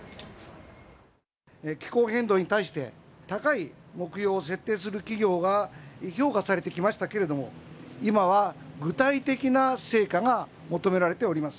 気候変動に対して、高い目標を設定する企業が評価されてきましたけれども、今は具体的な成果が求められております。